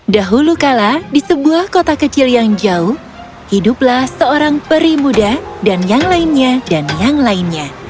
dahulu kala di sebuah kota kecil yang jauh hiduplah seorang peri muda dan yang lainnya dan yang lainnya